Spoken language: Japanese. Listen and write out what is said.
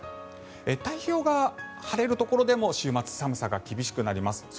太平洋側、晴れるところでも週末は寒さが厳しくなります。